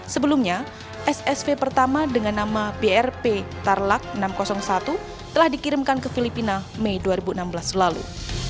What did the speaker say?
sebelumnya ssv pertama dengan nama brp tarlak enam ratus satu telah dikirimkan ke filipina mei dua ribu enam belas lalu